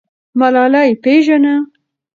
ملالۍ پیژنه.